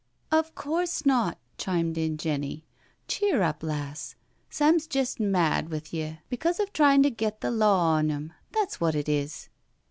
" Of course not," chimed in Jenny; " cheer up, lass. Sam's jest mad with ye because of tryin' to get the law on 'im— that's what it is."